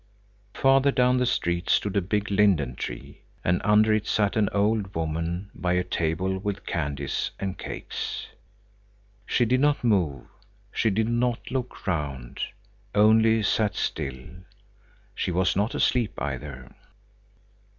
Farther down the street stood a big linden tree, and under it sat an old woman by a table with candies and cakes. She did not move; she did not look round; she only sat still. She was not asleep either.